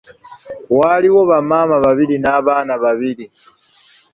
Waaliwo bamaama babiri n'abaana babiri.